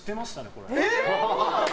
これ。